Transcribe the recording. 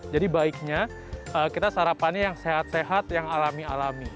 jadi baiknya kita sarapannya yang sehat sehat yang alami alami